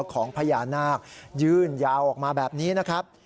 ของพญานาคยื่นยาวออกมาแบบนี้นะครับ